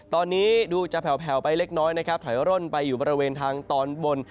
ตอนนี้ดูจะแผลวไปเล็กน้อยนะครับถอยร่นไปอยู่บริเวณทางตอนบน